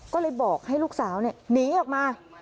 ก็เลยบอกให้ลูกสาวหนีออกมา